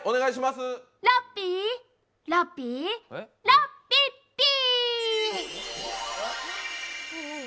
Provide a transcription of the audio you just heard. ラッピーラッピーラッピッピ！